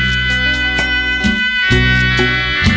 มีความรู้สึกว่ามีความรู้สึกว่า